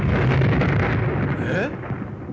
えっ！？